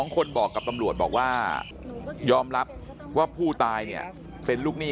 คนบอกกับตำรวจบอกว่ายอมรับว่าผู้ตายเนี่ยเป็นลูกหนี้